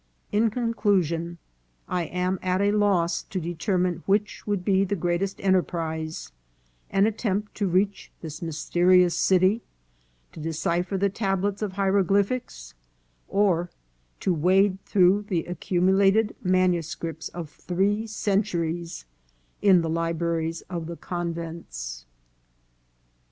In conclusion, I am at a loss to determine which would be the greatest enterprise, an attempt to reach this mysterious city, to decipher the tablets of hiero glyphics, or to wade through the accumulated manu scripts of three centuries in the libraries of the convents.